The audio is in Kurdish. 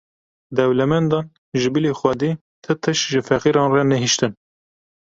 Dewlemendan, ji bilî Xwedê ti tişt ji feqîran re nehiştin.